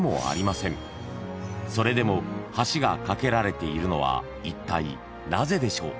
［それでも橋が架けられているのはいったいなぜでしょう？］